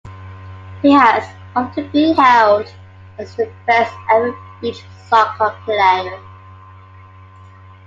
He has often been hailed as the best-ever beach soccer player.